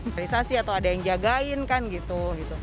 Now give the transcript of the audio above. realisasi atau ada yang jagain kan gitu